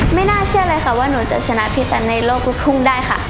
ไม่น่าเชื่อเลยค่ะว่าหนูจะชนะพี่แตนในโลกลูกทุ่งได้ค่ะ